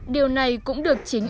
điều này cũng được chính